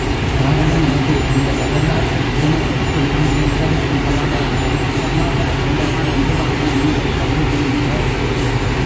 காரணம் இதுவே இந்த வரலாற்றுப் புதினத்திற்கு நான் தேர்ந்தெடுக்கும் கதாநாயகன் கருணாகரத் தொண்டைமான் என்று தானே நீங்கள் கருதுகிறீர்கள்?